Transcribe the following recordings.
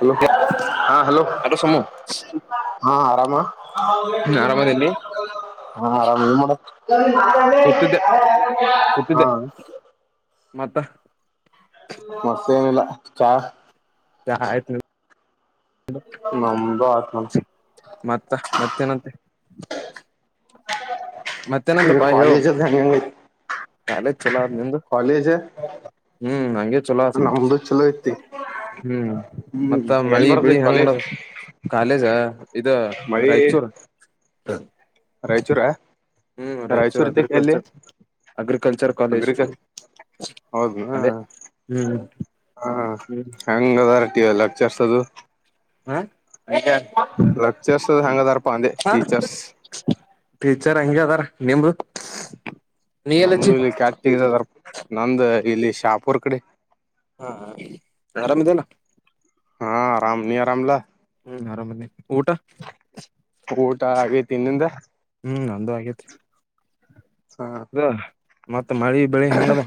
Hello ಹಾ hello hello ಸಮು ಹಾ ಆರಾಮ. ಮ. [inaudible] ಆರಾಮದಲ್ಲಿ ಹಾ ಆರಾಮ್ ನೀ ಮಾಡ. ಕೂತಿದ್ದೆ [unintelligible] ಹಾ. ಕೂತಿದ್ದೆ ಮತ್ತ. ಮತ್ತೇನಿಲ್ಲ. ಚಹಾ ಚಾ ಆಯ್ತ ನಮ್ದು ಆತ್ ನೋಡ್ ಮತ್ತ ಮತ್ತೇನಂತೆ. [inaudible] [inaudible] ಇ ಮತ್ತೇನಂತೆಪಾ ಹೇಳು ಕಾಲೇಜ ಅದು ಹೆಂಗೆಗ ಐತೆ [unintelligible] ಚಲೋ ಆದ ನಿಂದು ಹ್ಮ್ ಹಂಗೆ ಚಲೋ ಆತ ನಮ್ದು ಚಲೋ ಐತಿ ಹ್ಮ್ ಹ್ಮ್ ಮತ್ತ ಎಲ್ ಮಳಿ ಬೆಳಿ ಬರ್ತೈತಿ ಹೆಂಗ ಕಾಲೇಜ್ ನಡದಾದ ಕಾಲೇಜ ಇದ ಮಳಿ ರಾಯಚೂರ್ ಹ್ ರಾಯಚೂರ ಹ್ಮ್ ರಾಯಚೂರು ರಾಯಚೂರ್ ಐತಿ ಎಲ್ಲಿ ಅಗ್ರಿಕಲ್ಚರ್ ಅಗ್ರಿಕಲ್ಚರ್ ಕಾಲೇಜ್ ಅಗ್ರಿಕಲ್ ಹೌದನ ಅದೇ ಹ್ಮ್ ಹ ಹ್ಮ್ ಹೆಂಗದ ಲೆಕ್ಚರ್ಸ್ ದು ಹಾ [unintelligible] ಲೆಕ್ಚರ್ಸ್ ಯಂಗ್ ಅದಾರಪ್ಪ ಅಂದೆ ಹಾ ಟೀಚರ್ಸ್ ಟೀಚರ್ ಹಂಗೆ ಅದಾರ ನಿಮ್ದು ನೀ ಎಲ್ಲಿ ನಮ್ದು ಹಚ್ಚಿ ಇಲ್ಲಿ ಕ್ಯಾಟ್ ಇದು ಅದರ ನಮ್ದ ಇಲ್ಲಿ ಶಾಪೂರ್ ಕಡೆ ಹ ಆರಾಮ್ ಇದಿಯಲ್ಲ ಹಾ ಆರಾಮ್ ನೀ ಆರಾಮಲಾ ಹ್ಮ ಆರಾಮನಿ ಊಟ ಆಗೇತಿ ನಿಂದ ಹ್ಮ್ ನಂದು ಆಗೇತಿ ಹ್ಮ ಹ ಮತ್ ಮತ್ತ ಮಳಿ ಬೆಳಿ ಹೆಂಗದ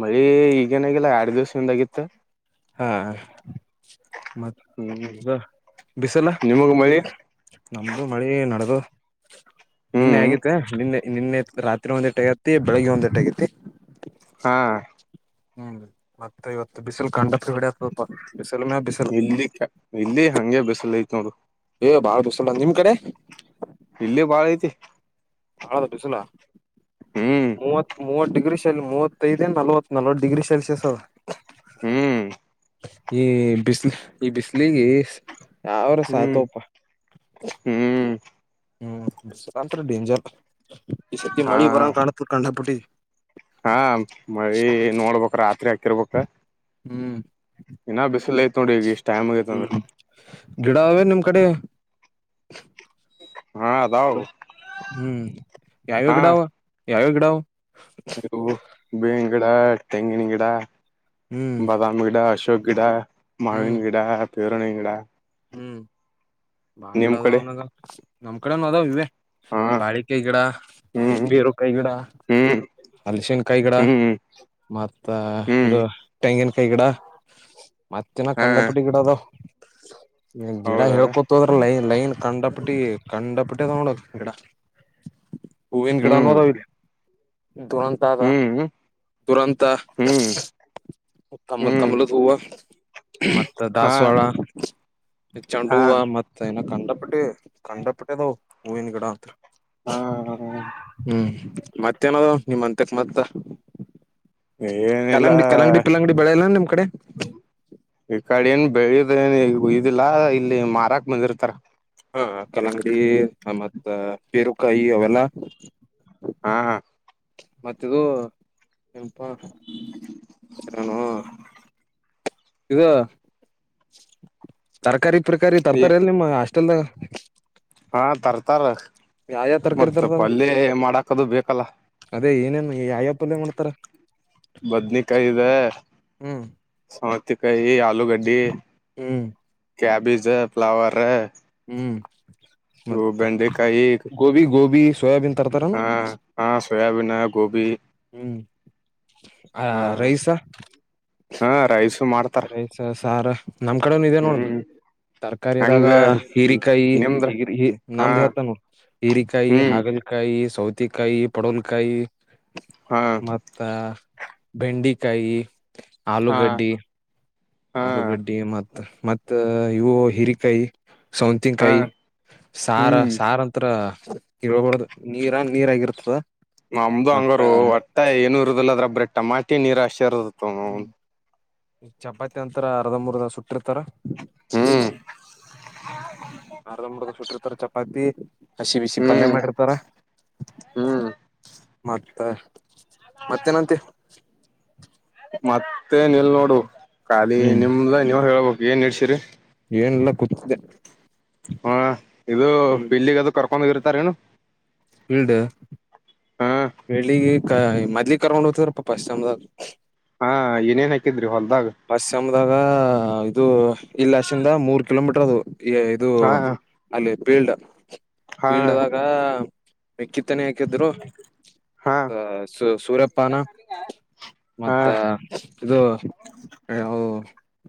ಮಳಿ ಈಗೇನಾಗಿಲ್ಲ ಎರಡ್ ದಿವ್ಸದಿಂದ ಆಗಿತ್ತು ಹಾ ಹ್ಮ್ ಮತ್ತ ಬಿಸಲ್ಲ ನಿಮಗ ಮಳಿ ನಮ್ದು ಮಳಿ ನಡದದ ನಿನ್ನೆ ಹ್ಮ್ ಆಗೇತ್ತ ನಿನ್ನೆ ನಿನ್ನೆ ರಾತ್ರಿ ಒಂದ್ ಇಟ್ ಆಗತಿ ಬೆಳಿಗ್ಗೆ ಒಂದ ಇಟು ಆಗೈತಿ ಹಾ ಹ್ಮ್ ಮತ್ತೆ ಇವತ್ತು ಬಿಸಿಲು ಕಂಡ ಇಲ್ಲಿ ಇಲ್ಲಿ ಹಂಗೆ ಬಿಸಲೈತಿ ನೋಡು ಏ ಬಾಳ್ ಬಿಸಿಲಾದ್ ನಿಮ್ ಕಡೆ. ಇಲ್ಲಿ ಬಾಳ್ ಐತಿ. ಆಳದ್ ಬಿಸಲ. ಹ್ಮ್ ಮೂವತ್ ಮೂವತ್ ಡಿ ಡಿಗ್ರಿ ಶೆಲ್ ಮೂವತ್ತೈದೆ ನಲ್ವತ್ ನಲ್ವತ್ ಡಿಗ್ರಿ ಸೆಲ್ಸಿಯಸ್ ಅದ. ಹ್ಮ್ ಈ ಬಿಸ್ಲು ಈ ಬಿಸ್ಲಿಗಿ. ಹ್ಮ್ ಹ್ಮ್ ಹ್ಮ್ ಬಂತ್ರ ಡೇಂಜರ್. ಈ ಸತಿ ಹಾ ಮಳಿ ಬರಾಂಗ್ ಕಾಣತ್ ಕಂಡಾಪುಟಿ. ಹಾ ಮಳಿ ನೋಡ್ಬೇಕು ರಾತ್ರಿ ಆಗ್ ಕಿರ್ಬೇಕ. ಹ್ಮ್ ಇನ್ನ ಬಿಸ್ಲ ಐತ್ ನೋಡ ಈಗ ಇಷ್ ಹ್ಮ್ ಗಿಡ ಅವೇನ್ ನಿಮ್ ಕಡೆ. ಹಾ ಅದಾವ್ ಹಲೋ ಹ್ಮ್ ಯಾವ್ ಯಾವ್ ಗಿಡ ಅವ. ಯಾವ್ ಯಾವ್ ಗಿಡಾವ್. [unintelligible] ಬೆಂಗ್ ಗಿಡ ತೆಂಗಿನ್ ಗಿಡ. ಹ್ಮ್ ಬಾದಾಮ್ ಗಿಡ ಅಶೋಕ್ ಗಿಡಾ ಮಾವಿನ್ ಹ್ಮ್ ಗಿಡ. ಪೇರಣೆ ಗಿಡ. ಹ್ಮ್ ಬಾಳ್ ಗಿಡ ನಿಮ್ ಕಡೆ ಅದಾವ್ನಾಗ. ನಮ್ಮ್ ಕಡೆನು ಅದಾವ್ ಇವೆ. ಹಾ ಬಾಳಿಕೈ ಗಿಡ ಹ್ಮ್ ಬೇರು ಕೈಗಿಡ. ಹ್ಮ್ ಅಲ್ಶಿನ್ ಕೈ ಗಿಡ ಹ್ಮ್ ಮತ್ತ ಹ್ಮ್ ಇದು ತೆಂಗಿನ್ ಕೈ ಗಿಡ. ಮತ್ತಿನ ಹಾ ಕಂಡಪುಟಿ ಗಿಡ ಅದಾವ್ ಗಿಡ ಹೌದಾ ಹೇಳ್ಕೊತದ್ರ ಲೈನ್ ಲೈನ್ ಕಂಡಪುಟ್ಟಿ ಕಂಡಪುಟ್ ಅದಾವ್ ನೋಡ್ ಗಿಡ. ಹೂವಿನ್ ಗಿಡನೊ ಹ್ಮ್ ಅದಾವ್ ಇಲ್ಲಿ. ದುರಂತಾದ ಹ್ಮ್ ದುರಂತ. ಹ್ಮ್ ಕಮ್ಲ್ ಹ್ಮ್ ಕಮಲ್ದ್ ಹೂವ. ಮತ್ತ ಹಾ ದಾಸ್ವಾಳ ಹಾ ಚಂಡೂವ ಮತ್ತೆ ಇನ ಕಂಡಪುಟ್ಟಿ ಕಂಡಪುಟ್ದುವು. ಹೂವಿನ್ ಗಿಡಾತ್ರ. ಹಾ ಹ್ಮ್ ಮತ್ ಏನಾದವ್ ನಿಮ್ ಅಂತಕ್ ಮತ್ತ. ಏನಿಲ್ಲ ಕಲಂಗಡಿ ಕಲಂಗಡಿ ಪಿಲಂಗಡಿ ಬೆಳೆಲ್ಲ ನಿಮ್ ಕಡೆ ಈ ಕಡಿನ್ ಬೆಳಿದೆನ್ ಇದಿಲ್ಲಾ ಇಲ್ಲಿ ಮಾರಾಕ್ ಬಂದಿರ್ತರ. ಹಾ ಕಲಂಗ್ಡಿ. ಹ ಮತ ಪೇರುಕಾಯಿ ಅವೆಲ್ಲ. ಹಾ ಮತ್ತಿದು. ಏನಪ್ಪ ಹೆರನೋ. ಇದು ತರ್ಕಾರಿ. ಪ್ರಕಾರಿ ತರ್ತಾರೆ ನಿಮ್ಮ ಹಾಸ್ ಟ್ಲ್ದಾಗ. ಹಾ ತರ್ತಾರ ಯಾವ ಯಾವ ತರಕಾರಿ ಮತ್ ತರ್ತಾರ ಪಲ್ಯ ಮಾಡಾಕದು ಬೇಕಲ್ಲ. ಅದೇ ಏನೇನ್ ಯಾವ್ಯಾವ ಪಲ್ಯ ಮಾಡ್ತಾರ. ಬದ್ನಿಕಾಯ್ದ ಹ್ಮ್ ಸಾ ತ್ತ ಕಾಯಿ ಆಲೂಗಡ್ಡಿ. ಹ್ಮ್ ಕ್ಯಾಬೇಜ್ ಫ್ಲವರ್. ಹ್ಮ್ ಇವು ಮತ್ ಬೆಂಡೆಕಾಯಿ ಗೋಬಿ ಗೋಬಿ ಗೋಬಿನ್ ತರ್ ತರನ್. ಹಾ ಹಾ ಸೋಯಾಬೀನ್ ಗೋಬಿ ಹ್ಮ್ ಆ ಹಾ ರೈಸ. ಹಾ ರೈಸು ಮಾಡ್ತಾರ ರೈಸ ಸಾರ ನಮ್ ಕಡೆನು ಇದೇ ನೋಡು ಹ್ಮ್ ತರ್ಕಾರಿದಾಗ ಹಂಗ ಹೀರಿಕಾಯಿ ನಿಮ್ದ್ರ ಹೀಗಿ ಹಾ ನಮ್ದ ಹೇತ ನೋಡು ಹೀರಿಕಾಯಿ ಹ್ಮ್ ಹಾಗಲ್ಕಾಯಿ. ಇ ಸೌತಿಕಾಯಿ ಪಡ್ವಲ್ಕಾಯಿ. ಹಾ ಮತ್ತ ಬೆಂಡಿಕಾಯಿ ಆಲೂ ಹಾ ಗಡ್ಡಿ ಹಾ ಆಲೂಗಡ್ಡಿ ಮತ್ತೆ ಮತ್ತ ಇವು ಹಿರಿಕಾಯಿ ಹಾ ಸೌಂತನ್ಕಾಯಿ ಸಾರ ಹ್ಮ್ ಸಾರ ಅಂತರ ಇಬಡದು ನೀರಾ ನೀರಗಿರ್ತದ ನಮ್ದು ಹಂಗರು ಒಟ್ಟೆ ಏನು ಇರುದಿಲ್ಲ ಅದ್ರ ಬ್ರ ಟಮಾಟೆ ನೀರು ಅಷ್ಟೇ ಇರ್ತದ ಹ ಹ್ಮ್ ಚಪಾತಿ ಅಂತರ ಅರ್ಧ ಮೂರ್ದ ಸುಟ್ಟಿರ್ತಾರ ಹ ಹ್ಮ್ ಆರ್ಧ್ ಮುಕ ಸುಟ್ಟಿರ್ತಾರ ಚಪಾತಿ ಹಸಿ ಬಿಸಿ ಪಲ್ಯ ಮಾಡಿರ್ತಾರ ಹ್ಮ್ ಮತ್ತೆ ಮತ್ತೇನಂತೆ ಮತ್ತೆ ನಿಲ್ ನೋಡು ಖಾಲಿ ಹ್ಮ್ ನಿಮ್ದ ನೀವು್ ಹೇಳ್ಬು ಏನು ಹೇಳ್ಸರಿ ಏನೆಲ್ಲ ಕೂತ್ಿದೆ ಹಾ ಇದು ಇಲ್ಲಿಗದು ಕರ್ ಕಮ್ಮಗರುತಾರೆನು ಇಲ್ಡೆ ಕ ಮದ್ಲಿ ಕರ್ೊಂಡು ಹೋಗ್ೀರಪ್ಪ ಪಶ್ಚಿಮದಾಗ ಹಾ ಏನೇನ್ ಹಾಕಿದ್ರಿ ಹೊಲ್ದಾಗ ಫಸ್ಟ್ ಸೆಮ್ದಾಗ ಇದು ಇಲ್ಲಶಿಂದ ಮೂರು ಕಿಲೋಮೀಟರ್ ಅದು ಇದು ಹಾ ಅಲ್ಲ ಬೀಲ್ಡ ಹಾ ಫೀಲ್ಡ್ ವಾಗ ಮಕ್ಕಿತ್ತನೆೆ ಹಾಕಿದ್ರು ಹಾ ಮತ್ತ ಸ ಸೂರ್ಯಪ್ಪಾನ ಹಾ ಮತ್ತ ಇದು ಹ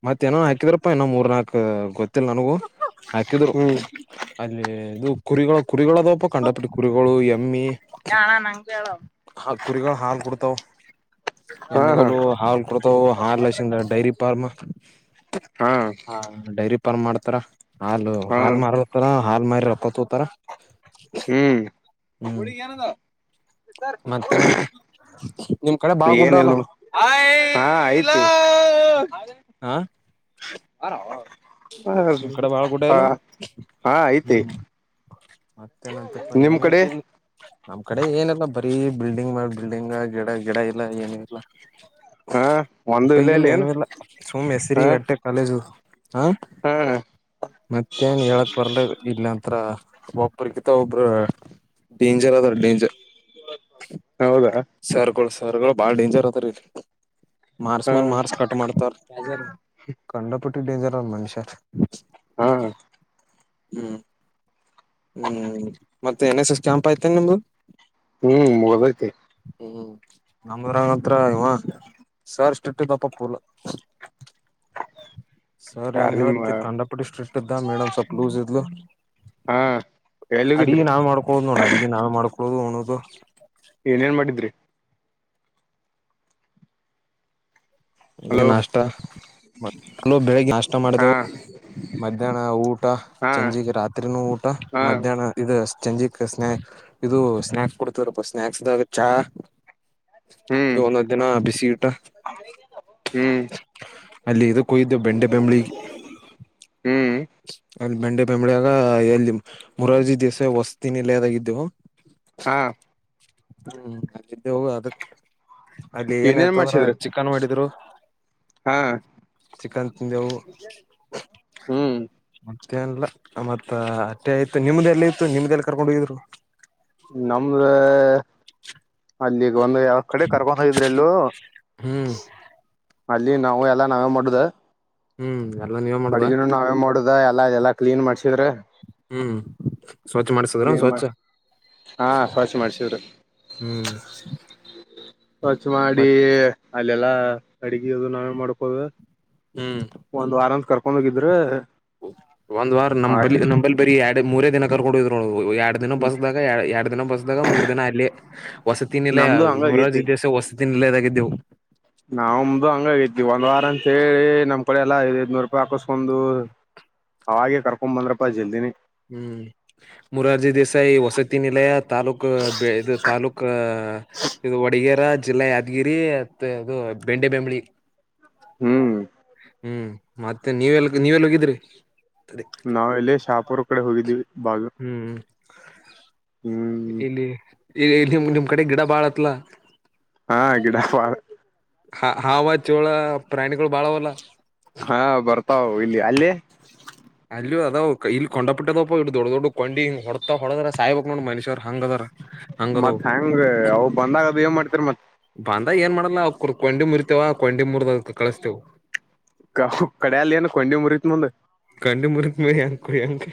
ಮತ್ತೇನೋ ಹಾಕಿದಾರಪ್ಪ ಏೋ ಮೂರ್ ನನಾಕಕ್ ಗೊತ್ತ ನನಗೂ ಹಾಕಿದ್ರು ಹ್ಮ್ ಅಲ್ಲಿ ಇದು ಕುರಿಗಳು ಕುರಿಗಳುದಪ್ಪ ಕಂಡಪಟ್ಟ ಕುರಿಗಳು ಎಮ್ಮಿ ಹಾ ಹಾ ಹ ಕುರಿಗಳು ಹಾಲು ಕೊಡ್ತಾವ ಹಾ ಎಮ್ಮಿಗಳು ಹಾಲು ಕೊಡ್ತವು ಹಾಲ್ ಲಕ್ಷ ಡೈರಿ ಫಾರ್ಮ್ ಹಾ ಹ ಡೈರಿ ಫಾರ್ಮ್ ಮಾಡ್ತ ತ್ರ ಹಾಲು ಹಾಲ್ ಮಾರತಾರ ಹಾಲ್ ಮಾರಿ ರಕ್ಕತ್ತಾರ ಹ್ಮ್ ಮತ್ತೇನಂತೆ ನಿಮ್ ಕಡೆ ಬಾಳ ಗುಡ್ಡ ಅಲ್ಲ ಸರ್ ಹಾ ಏನಲ್ಯ ಹ ನಿಮ್ ಕಡೆ ಬಾಳ ಗುಡ್ಡ ಹಾ ಇಲ್ಲ ಹಾ ಐತಿ ಹ ಮತ್ತೇನಂತಪ್ಪ ನಿಮ್ ಏನ ಕಡೆ ನಮ್ ಕಡೆ ಏನ ಲ್ಲ ಬರಿೀ ಬಿಲ್ಡಿಂಗ್ ಮ ಬಿಲ್ಡಿಂಗ್ ಗಿಡ ಗಿಡ ಇಲ್ಲ ಏನ ಇಲ್ಲ ಹಾ ಒಂದು ಇಲ್ಲ ಉಪ್ಪಿಗೆಲ್ಲ ಇಲ್ಲ ಏನ್ ಏನು ಇಿಲ್ಲ ಸುಮ್ ಹೆಸರಿ ಹಾ ಗಟ್ಟೆ ಕಾಲೇಜು ಹಾ ಮತ್ತೆನ್ ಹೇಳಕ್ ಬರ್ಲ ಇಲ್ಲ ಅಂತ ಹತ್ರ ಒಬ್ರುಗಿಂತ ಒಬ್ರು ಡೇಂಜರ್ ಅದರ ಡೇಂಜರ್ ಹೌದು ಸರ್ ಸರ್ಗಳು ಬಾಳ ಡೇಂಜರ್ ಅದರಿಲ್ಲಿ ಮಾರ್ಸ್ ಹಾ ಮೇಲ್ ಮಾರ್ಸ್ ಕಟ್ ಮಾಡ್ತಾರ ಕಂಡ ಪುಟ್ಟ ಡೇಂಜರ್ ಮನುಷ್ಯರ್ ಹ್ಮ ಹ್ಮ್ ಹ್ಮ್ ಮತ್ತೆ ಎನ್ ಎಸ್ ಎಸ್ ಕ್ಯಾಂಪಪ್ ಆಯ್ತೇನ್ ನಿಮ್ದು ಹ್ಮ ಮೂಗದೈತಿ ನಮೂರಗ ಹತ್ರ ಇವಾ ಸರ್ಸ್ಟ್ರಿಕ್ಟ್ ಇದ್ದ ಪೂಲ ಸರ್ ಏನ್ ಯಾರ್ ನಿಮ್ ಹೇಳತ್ತತಿ ಕಂಡಪುಡಿ ಸ್ಟ್ರಿಕ್ಟ್ ಇದ್ದ ಮೇಡಮ್ ಸ್ವಲ್ಪ್ ಲೂಸ್ ಇದ್ಲು ಹಾ ಎಲ್ಲಿಗಿದ್ರಿ ಅಡಗೆ ನಾವ್ ಮಾಡ್ಕೊಳ್ಳುದು ನೋಣ ಅಡಗೆ ನಾವ್ ಮಾಡ್ಕೊಳ್ಳೋದು ನೋ ಅದು ಏನೇನ್ ಮಾಡಿದ್ರಿ ಹಲೋ ನಾಷ್ಟ ಮತ ಬೆಳಿಗ್ಗೆ ನಾಷ್ಟ ಹಾ ಮಾಡಿದೆವು ಮಧ್ಯಾಹ್ನ ಊಟ ಹಾ ಚಂಜಿಗಿ ರಾತ್ರಿನೂ ಊಟ ಹಾ ಮಧ್ಯಾಹ್ನ ಇದು ಚಂಜಿಕ್ ಸ್ನಾಕ್ಸ್ ಇದು ಸ್ನಾಕ್ಸ್ ಸ್ಕೊಡ್ತರಪ್ಪ ಸ್ನಾಕ್ಸ್ದಾಗ ಚಾ ಹ್ಮ್ ಇದು ಒಂದೊಂದು ದಿನ ಬಿಸಿ ಊಟ ಹ್ಮ್ ಅಲ್ಲಿ ಇದಕ್ಕ ಹೋಗಿದ್ವಿ ಬೆಂಡೆ ಬೆಂಬಲೀಗೆ ಹ್ಮ್ [inaudible] ಅಲ್ಲಿ ಬೆಂಡೆ ಬೆಂಬಳಿಯಾಗ ಎಲ್ಲಿ ಮುರಾರ್ಜಿ ದೇಸಾಯಿ ವಸ್ತಿನಿಲ್ಲದಾಗಿದ್ದವು ಹಾ ಹ್ಮ್ ಅದೇ ಯವು ಅದಕ್ಕೆ ಇನೇನ್ ಮಾಡ್ಸಿದ್ರಿ ಹಾ ಚಿಕನ್ ತಿಂದೆವು ಹ್ಮ್ ಮತ್ತೇನಿಲ್ಲ ಮತ್ತ ಅಟ್ಟೆ ಆಯತ್ತು ನಿಮ್ದ ಎಲ್ಲಿ ಇತ್ತು ನಿಮ್ದ ಎಲ್ಲಿ ಕರ್ಕೊಂಡು ಹೋಗಿದ್ರು ನಮ್ದ ಅಲ್ಲಿ ಈಗ ಒಂದು ಯಾವ ಕಡೆ ಕರ್ಕೊಂಡ ಹೋಗಿದ್ರು ಎಲ್ಲೂ ಹ್ಮ್ ಅಲ್ಲಿ ನಾವು ಎಲ್ಲಾ ನಾವೇ ಮಾಡುದ. ಹ್ಮ್ ಎಲ್ಲ ನೀವ ಮಾಡ್ದ ಅಡುಗನು ನಾವೇ ಮಾಡುದ ಎಲ್ಲಾದೆಲ್ಲ ಕ್ಲೀನ್ ಮಾಡ್ಸಿದ್ರೆ. ಹ್ಮ್ ಸ್ವಚ್ಛ ಮಾಡಸಿದ್ರ ಕ್ಲೀನ್ ಸ್ವಚ್ಛ ಮಾಡ ಹಾ ಸ್ವಚ್ಛ ಮಾಡ್ಸಿದ್ರ ಹ್ಮ್. ಸ್ವಚ್ ಮಾಡಿ ಮತ್ ಅಲ್ಲೆಲ್ಲಾ ಅಡಗೆ ಅದು ನಾವೇ ಮಾಡ್ಕೋದು. ಹ್ಮ್ ಒಂದು ಆರಾಮ್ ಕ. ಕೊೊಂಡೋಗಿದ್ರೆ. ಒಂದ್ ವಾರ ನ ನಂಬಲ್ಲಿ ಬರಿೀ. ಮೂರೇ ದಿನ ಕರ್ಕೊಂಡ ಇದ್. ಎರಡ್ ದಿನ ಬಸದಾಗ ಎರಡು ದಿನ ಬಸದಾಗ ಮೂರ್ ದಿನ ಅಲ್ಲಿ ಹೊಸ ತಿನ್ ಇಿಲ್ಲ ನಮ್ದು ಮೂರ್ ಹಂಗಾಗೈತಿ ದಿವಸ ಹೊಸ ತಿಿನ ಇಿಲ್ಲದ. ವು. ನಾವವುಮ್ದು ಹಂಗಾಗಿದ್ವಿ ಒಂದ ವಾರ ಅಂತೇಳಿ ನಮ್ ಕಡೆ ಎಲ್ಲಾ ಐದ ಐದನೂರು ರೂಪಾಯಿ ಹಾಕಿಸಸ್ಕೊಂಡು ಅವಾಗೇ ಕರ್ಕೊಂಡ್ ಬಂದ್ರಪ್ಪಾ ಜಲ್ದಿನಿ. ಹ್ಮ್ ಮುರಾರ್ಜಿ ದೇಸಾಯಿ ವಸತಿ ನಿಲಯ ತಾಲೂಕ್ ಇದು ತಾಲೂಕ್ ಇದು ವಡಗೇರ. ಜಿಲ್ಲಾ ಯಾದಗಿರಿ ಮತ್ತ ಅದು ಬೆಂಡೆ ಬೆೆಂಬಳಿ. ಹ್ಮ್. ಹ್ಮ್ ಮತ್ತೆ ನೀವೆಲ್ ನೀವೆಲ್ ಹೋಗಿದ್ರಿ. ನಾವ ಇಲ್ಲಿ ಶಾಪುರ. ಕಡೆ ಹೋಗಿದ್ದೀವಿ. ಬಾಗ ಹ್ಮ್. ಹ್ಮ್ ಇಲ್ಲಿ. ಈ ನಿಮ್ ನಿಮ್ ಕಡೆ ಗಿಡ ಬಾಳತ್ಲ. ಹಾ ಗಿಡವರ. ಹಾ ಹಾವ ಚೋಳ ಪ್ರಾಣಿಗುಳ್ ಬಾಳಾವಲ್ಲ. ಹಾ ಬರ್ತಾವ್ ಇಲ್ಲಿ ಅಲ್ಲಿ. ಅಲ್ಲಿಯು ಅದಾವ್ ಕ ಇಲ್ ಕೊಂಡಪಟಿದವ್ ಇ ದೊಡ್ಡ ದೊಡ್ಡ ಕೊಂಡಿ ಹೊಡ್ತಾ ಹೊಡದ್ರೆ ಸಾಯ್ ಬೇಕ್ ನೋಡ್ ಮನುಷ್ಯರ್. ಹಂಗದಾರ ಹಂಗದವ್ ಮತ್ತ್ ಹೆಂಗೆ ಅವ್ ಬಂದಾಗದು ಏನ್ ಮಾಡ್ತಿರಿ ಮತ್ ಅದ ಏನ್ ಮಾಡಲ್ಲ ಅವ್ಕುರ್ ಕೊಂಡಿ ಮುರಿತವ ಕೊಂಡಿ ಮುರ್ದ ಕಳಿಸ್ತಿವ. ಕೌ ಕಡ್ಯಲ್ ಏನ್ ಕೊಂಡಿ ಮುರಿತ್ ನಂದೆ. ಕಂಡಿ ಮುರಿತ್ನ್ಯ. ಕುರಿಂಕೆ.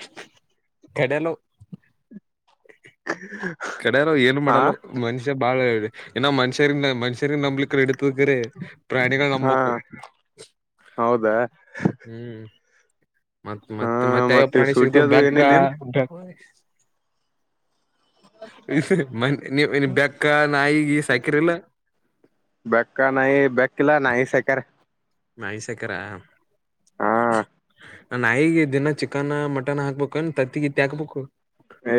ಕಡ್ಯಲ್ವ್. ಕಡೆಯಾರ ಏನು ಹಾ ಮಾಡಲ್ ಅವ್ ಮನುಷ್ಯ ಬಾಳ ಏ ಮನ್ಷರಿಂದ ಮನ್ಷರಿನ್ ನಂಬ್ಲಿಕ್ ರೆಡಿ ಪುಗರೆ ಪ್ರಾಣಿಗಳ್ ಹಾ ನಂಬಕ್ಕು ಹೌದಾ ಹ್ಮ್. ಮತ್ ಹಾ ಮತ್ತ್ ಮತ್ತೆ ಯಾವ್ಯಾವ ಮತ್ ಇವ್ ಪ್ರಾಣಿ ಸೂಟಿ ಸಿಗ್ತ ಅದು ಬೆಕ್ಕ. ಏನಿಲ್ಲ ಏನ್ ಇ ಫಿರಿ ಮನ್ನೇ. ನೀವ್ ಇನ್ ಬೆಕ್ಕಾ. ಬೆಕ್ಕ ನಾಯಿ ಬೆಕ್ಕಿಲ್ಲ ನಾಯಿ ಸಾಕ್ಯರ. ನಾಯಿ ಸಕ್ಯರ, ಹಾ ಆ ನಾಯಿಗೆ ದಿನ ಚಿಕನ್ ಮಟನ್ ಹಾಕ್ಬೇಕೇನ ತತ್ತಿಗಿತ್ತಿ ಹಾಕ್ಬೇಕು. ಏ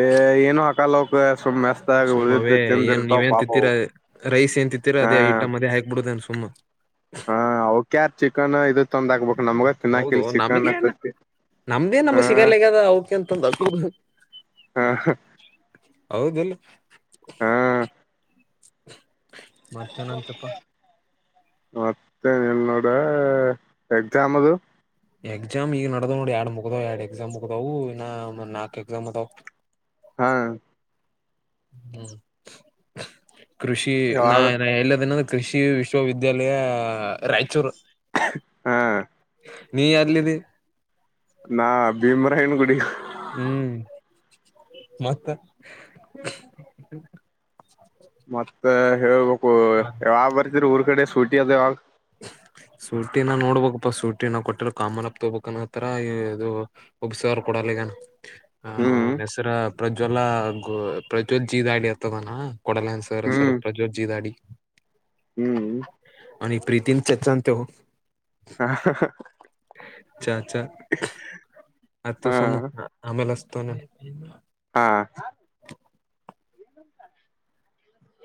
ಏನು ಆಕಲ್ ಆವ್ಕ್ ಸುಮ್ಮ್ ಮಸ್ತಾಗಿ ಸುಮ್ ಉಳಿದು ಅವೇ ಏನ್ ತಿಂದಿರ್ತಾವ್ ನೀವೇನ್ ಪಾಪವು ತಿತ್ತೀರ ರೈಸ್ ಏನ್ ತಿತ್ತೀರ ಹಾ ಅದೇ ಹ ಐಟಮ್ ಅದೇ ಹಾಕ್ಬಿಡುದೇನ್ ಸುಮ್ಮ ಹಾ ಅವ್ ಕ್ಯಾಕ್ ಚಿಕನ್ ಇದು ತಂದಾಕಬೇಕು ನಮ್ಗ ಹೌದು ಚಿನಾಕಿಲ್ ಚಿಕನ್ ನಮ್ಗೇನ್ ತತಿ ಹಾ. ಹೌ ಹ. ಹಾ ಹೌದಿಲ್ಲ. ಹಾ ಮತ್ತೇನ್ ಅಂತಿಯಪ್ಪ. ಮತ್ತೆ ಇನ್ ನೋಡೆ ಎಕ್ಸಾಮ್ ಅದು. ಎಕ್ಸಾಮ್ ಈಗ ನಡ್ದಾವ್ ನೋಡು ಎಡ್ ಮುಗ್ದಾವ್ ಎಡ್ ಎಕ್ಸಾಮ್ ಮುಗ್ದಾವು ಇನ್ನ್ ನಾಕ್ ಎಕ್ಸಾಮ್ ಅದಾವ್. ಹಾ. ಹ್ಮ್. ಕೃಷಿ ನಾ ಯಾವಾಗ ನ ಎಲ್ ಅದಿನ್ ಕೃಷಿ ವಿಶ್ವವಿದ್ಯಾಲಯ ರಾಯ್ಚೂರು. ಹಾ. ನೀ ಯಲ್ಲಿದಿ. ನಾಯನ್ಗುಡಿ. ಹ್ಮ್ ಮತ್ತ. ಮತ್ ತ್ತ ಹೇಳ್ಬ ಕು ಯಾವಾಗ್ ಬರ್ತಿರ್ ಊರ್ ಕಡೆ. ಸೂಟಿ ಆದ ಯಾವಾಗ್ ಸೂಟಿನ ನೋಡ್ಬಬೇಕಪ್ಪ ಸೂಟಿನ ಕೊಟ್ಟಿಲ್ಲ ಕಾಮನಪ್ ತಬಬೇಕಕ್ನತ್ತ ಇಗ ಒಬ್ಸರು ಕೊಡಲ್ಲಗ್ಯಾನ. ಹ್ಮ್ ಅವನ್ ಹೆಸರ ಪ್ರಜ್ವಲ್ಲ ಗೋ ಪ್ರಜ್ವಲ್ಲಿ ಜೀ ದಾಡಿ ಅಂತ ಅದನ. ಕೊಡಲಾಗ್ಯಾನ್ ಸರ್ ಸರ್ ಹ್ಮ್ ಪ್ರಜ್ವಲ್ ಜಿ ದಾಡಿ ಹ್ಮ್ ಅವ್ನಿಗ್ ಪ್ರೀತಿನ್ ಚೆಚ್ಚ ಅಂತ ಹೇಹೋ. ಹಾ. ಅತ್ತು ಹಾ ಸುಮ್ಮ ಆಮೇಲೆ ತನೆ. ಹಾ. [unintelligible]